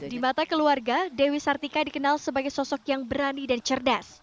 di mata keluarga dewi sartika dikenal sebagai sosok yang berani dan cerdas